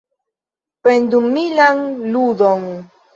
Pendumilan ludon.